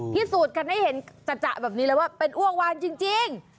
ที่สูตรกันให้เห็นจัดจัดแบบนี้เลยว่าเป็นอวกวานจริงจริง